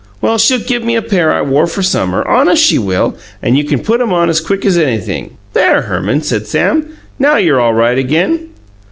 Well, she'll give me a pair I wore for summer; honest she will, and you can put 'em on as quick as anything." "There, Herman," said Sam; "now you're all right again!"